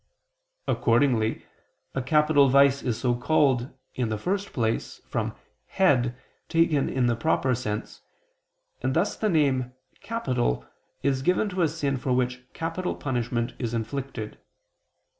Accordingly a capital vice is so called, in the first place, from "head" taken in the proper sense, and thus the name "capital" is given to a sin for which capital punishment is inflicted.